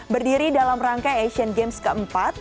berdiri dalam rangka asian games keempat